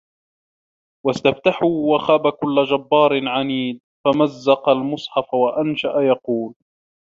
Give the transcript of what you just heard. وَاسْتَفْتَحُوا وَخَابَ كُلُّ جَبَّارٍ عَنِيدٍ فَمَزَّقَ الْمُصْحَفَ وَأَنْشَأَ يَقُولُ